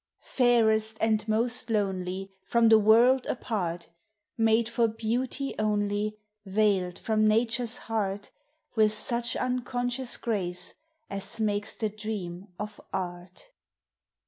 Fairest and most lonely, From the world apart; TREES: FLOWERS: PLANTS. 251 Made for beauty only, Veiled from Nature's heart With such unconscious grace as makes the dream of Art